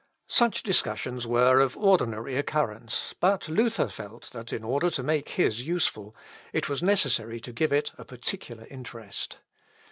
Such discussions were of ordinary occurrence; but Luther felt, that in order to make his useful, it was necessary to give it a peculiar interest.